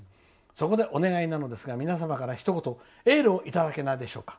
そこでお願いなのですが皆様からひと言エールをいただけないでしょうか。